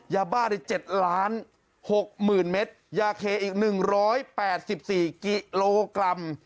ยาบ้าได้๗ล้าน๖หมื่นเม็ดยาเคอีก๑๘๔กิโลกรัม